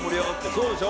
「そうでしょ？」